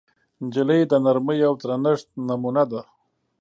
نجلۍ د نرمۍ او درنښت نمونه ده.